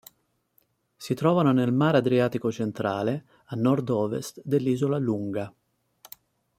Si trovano nel mar Adriatico centrale, a nord-ovest dell'isola Lunga.